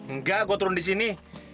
enggak gua turun disini